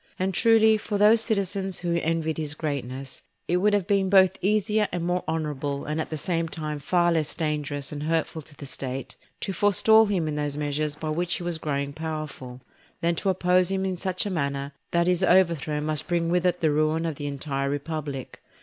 And truly, for those citizens who envied his greatness it would have been both easier and more honourable, and at the same time far less dangerous and hurtful to the State, to forestall him in those measures by which he was growing powerful, than to oppose him in such a manner that his overthrow must bring with it the ruin of the entire republic.